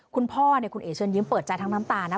คุณพ่อเนี่ยคุณเอ๋เชิญยิ้มเปิดใจทั้งน้ำตานะ